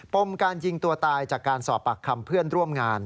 มการยิงตัวตายจากการสอบปากคำเพื่อนร่วมงาน